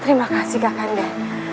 terima kasih kak kanda